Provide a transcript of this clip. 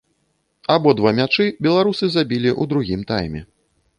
Абодва мячы беларусы забілі ў другім тайме.